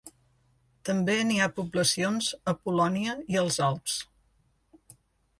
També n'hi ha poblacions a Polònia i els Alps.